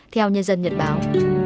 theo nhân dân nhật báo